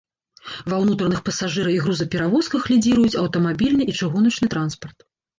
Ва ўнутраных пасажыра- і грузаперавозках лідзіруюць аўтамабільны і чыгуначны транспарт.